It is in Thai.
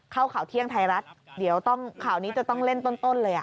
ข่าวเที่ยงไทยรัฐเดี๋ยวข่าวนี้จะต้องเล่นต้นเลย